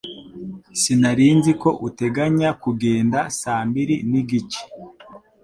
Sinari nzi ko uteganya kugenda saa mbiri nigice